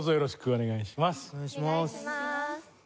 お願いします。